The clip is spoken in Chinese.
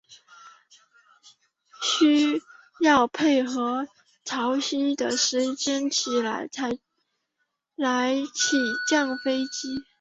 且需要配合潮汐的时间来起降飞机。